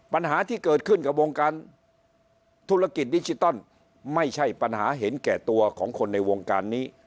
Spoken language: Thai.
ปัญหาที่เกิดขึ้นกับวงการธุรกิจดิจิตอลไม่ใช่ปัญหาเห็นแก่ตัวของคนในวงการนี้